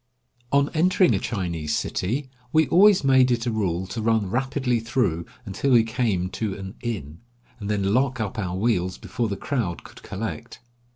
On entering a Chinese city we always made it a rule to run rapidly through until we came to an inn, and then lock up our wheels before the crowd could collect.